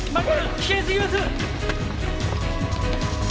危険すぎます！